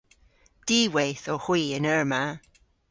Diweyth owgh hwi yn eur ma.